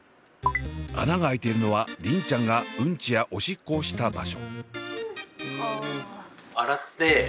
穴が開いているのは梨鈴ちゃんがうんちやおしっこをした場所。